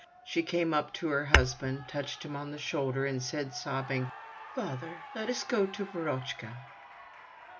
She came up to her husband, touched him on the shoulder, and said sobbing: "Father, let us go to Verochka!"